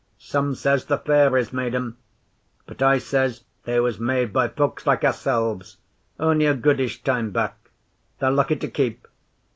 Some says the fairies made 'em, but I says they was made by folks like ourselves only a goodish time back. They're lucky to keep.